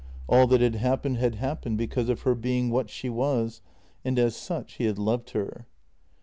All that had happened had happened because of her being what she was, and as such he had loved her.